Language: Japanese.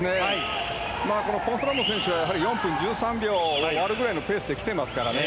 このポンス・ラモン選手が４分１３秒を割るぐらいのペースで来ていますからね。